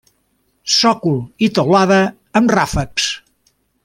Sòcol i teulada amb ràfecs.